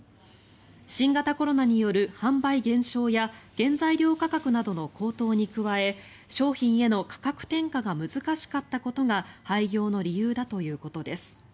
新型コロナによる販売減少や原材料価格などの高騰に加え商品への価格転嫁が難しかったことが廃業の理由だということです。